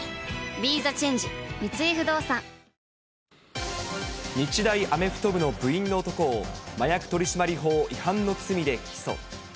ＢＥＴＨＥＣＨＡＮＧＥ三井不動産日大アメフト部の部員の男を、麻薬取締法違反の罪で起訴。